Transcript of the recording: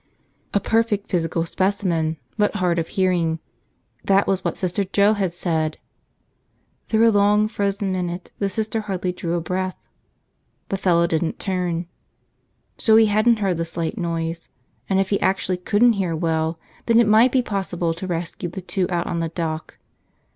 A perfect physical specimen but hard of hearing, that was what Sister Joe had said! Through a long frozen minute the Sister hardly drew a breath. The fellow didn't turn. So he hadn't heard the slight noise. And if he actually couldn't hear well, then it might be possible to rescue the two out on the dock!